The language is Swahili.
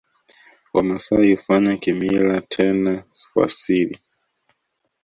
Wamasai hufanya kimila tena kwa siri